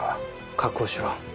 確保しろ。